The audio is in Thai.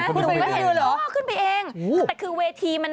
ขึ้นไปดูเลยเหรออ๋อขึ้นไปเองแต่คือเวทีมัน